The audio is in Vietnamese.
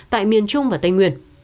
tại miền trung và tây nguyên